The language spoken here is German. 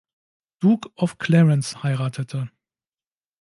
Duke of Clarence heiratete.